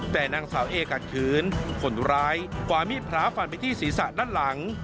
แต่นางสาวเอกัดขืนคนร้ายกวาดมีดพระฟันไปที่ศีรษะด้านหลัง